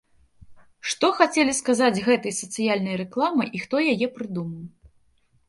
Што хацелі сказаць гэтай сацыяльнай рэкламай і хто яе прыдумаў?